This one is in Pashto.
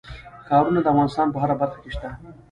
ښارونه د افغانستان په هره برخه کې شته.